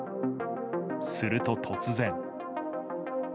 すると突然。